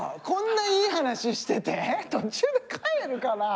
こんないい話してて途中で帰るかな。